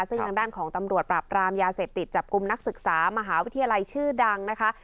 ซึ่งทางด้านของตำรวจปราบรามยาเสพติดจับกลุ่มนักศึกษามหาวิทยาลัยชื่อดังนะคะ